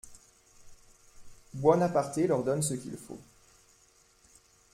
Buonaparté leur donne ce qu'il faut.